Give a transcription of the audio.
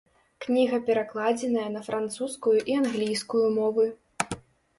Кніга перакладзеная на французскую і англійскую мовы.